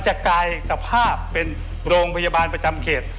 กลายสภาพเป็นโรงพยาบาลประจำเขต